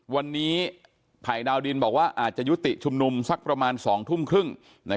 วันนี้ภัยดาวดินบอกว่าอาจจะยุติชุมนุมสักประมาณ๒ทุ่มครึ่ง